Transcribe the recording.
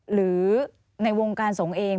หรือในวงการสงฆ์เอง